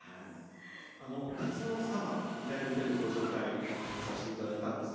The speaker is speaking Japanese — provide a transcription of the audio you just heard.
鉄の左腕とご紹介させていただいたんですが